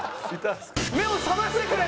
目を覚ましてくれ！